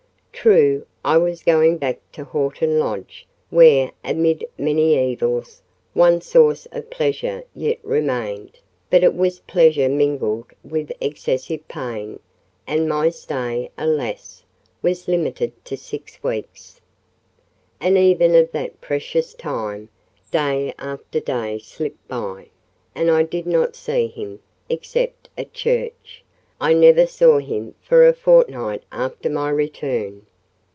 True, I was going back to Horton Lodge, where, amid many evils, one source of pleasure yet remained: but it was pleasure mingled with excessive pain; and my stay, alas! was limited to six weeks. And even of that precious time, day after day slipped by and I did not see him: except at church, I never saw him for a fortnight after my return.